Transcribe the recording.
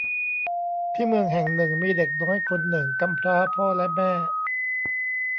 ที่เมืองแห่งหนึ่งมีเด็กน้อยคนหนึ่งกำพร้าพ่อและแม่